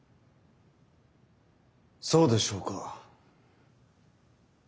そうでしょうか。